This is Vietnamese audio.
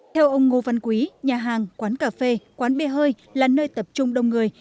theo ông ngô văn quý nhà hàng quán cà phê quán bia hơi là nơi tập trung đông người